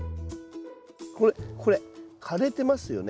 これこれ枯れてますよね？